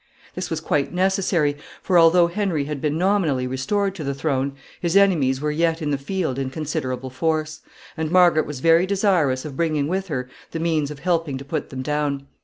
This was quite necessary; for, although Henry had been nominally restored to the throne, his enemies were yet in the field in considerable force, and Margaret was very desirous of bringing with her the means of helping to put them down.